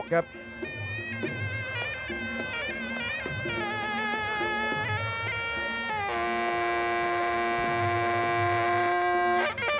ทางด้านเผ็ดดำ